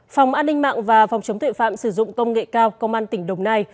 phòng an ninh mạng và phòng chống tuệ phạm sử dụng công nghệ cao công an tỉnh đồng nai